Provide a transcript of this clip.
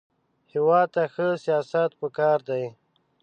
هېواد ته ښه سیاست پکار دی